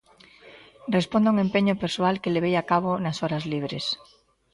Responde a un empeño persoal que levei a cabo no horas libres.